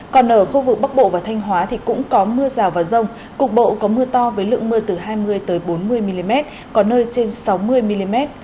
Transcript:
còn ở khu vực bắc bộ và thanh hóa thì cũng có mưa rào và rông cục bộ có mưa to với lượng mưa từ hai mươi bốn mươi mm có nơi trên sáu mươi mm